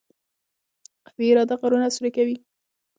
قوي اراده غرونه سوري کوي.